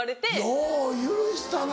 よう許したな。